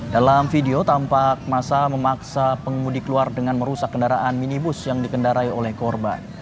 dalam video tampak masa memaksa pengemudi keluar dengan merusak kendaraan minibus yang dikendarai oleh korban